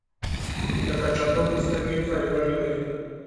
د کچالو پوستکی فایبر لري.